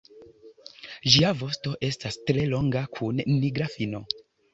Ĝia vosto estas tre longa kun nigra fino.